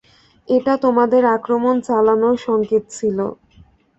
এটা তোমাদের আক্রমণ চালানোর সংকেত ছিল।